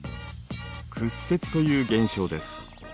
「屈折」という現象です。